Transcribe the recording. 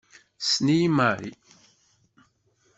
Tessen-iyi Mari.